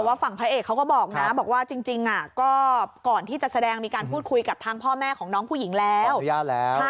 ฝั่งพระเอกเขาก็บอกนะบอกว่าจริงก็ก่อนที่จะแสดงมีการพูดคุยกับทางพ่อแม่ของน้องผู้หญิงแล้ว